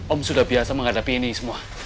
om sudah biasa menghadapi ini semua